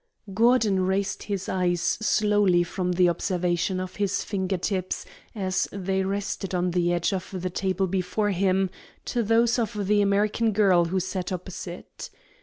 Gordon raised his eyes slowly from the observation of his finger tips as they rested on the edge of the table before him to those of the American girl who sat opposite.